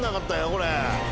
これ。